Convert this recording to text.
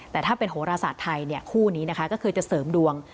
แต่ถ้าเป็นโหรศาสตร์ไทยคู่นี้นะคะก็คือจะเสริมดวง